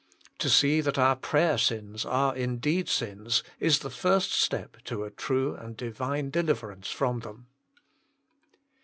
To see that our prayer sins are indeed sins, is the first step to a true and Divine deliverance from them.